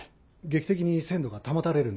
劇的に鮮度が保たれる？